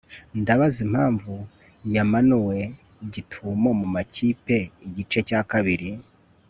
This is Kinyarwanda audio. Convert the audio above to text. ndabaza impamvu yamanuwe gitumo mumakipe igice cya kabiri